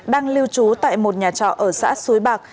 đang lưu trú tại một nhà trọ ở xã suối bạc